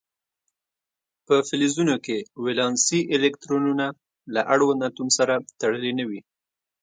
په فلزونو کې ولانسي الکترونونه له اړوند اتوم سره تړلي نه وي.